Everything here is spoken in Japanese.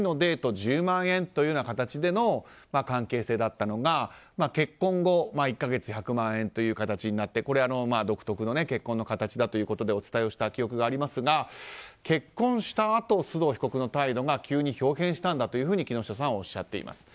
１０万円という形での関係性だったのが結婚後、１か月１００万円という形になってこれは独特の結婚の形だということでお伝えをした記憶がありますが結婚したあと、須藤被告の態度が急変したんだと木下さんはおっしゃっています。